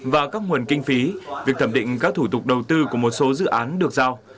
và các nguồn kinh phí việc thẩm định các thủ tục đầu tư của một số dự án được giao